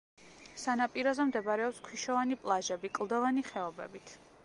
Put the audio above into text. სანაპიროზე მდებარეობს ქვიშოვანი პლაჟები კლდოვანი ხეობებით.